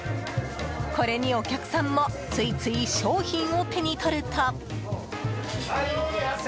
これに、お客さんもついつい商品を手に取ると。